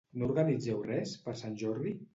No organitzeu res, per Sant Jordi?